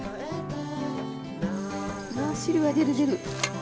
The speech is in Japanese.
うわあ汁が出る出る！